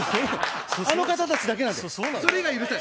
あの方たちだけなの。